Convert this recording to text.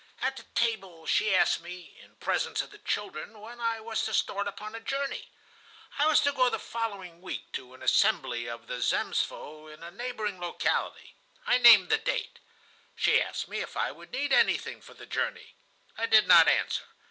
At the table she asked me, in presence of the children, when I was to start upon a journey. I was to go the following week to an assembly of the Zemstvo, in a neighboring locality. I named the date. She asked me if I would need anything for the journey. I did not answer.